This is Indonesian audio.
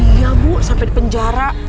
iya bu sampai di penjara